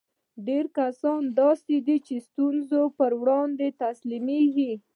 ډېر کسان د داسې ستونزو پر وړاندې تسليمېږي.